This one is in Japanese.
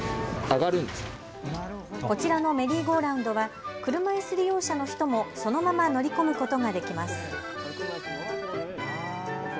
こちらのメリーゴーラウンドは車いす利用者の人もそのまま乗り込むことができます。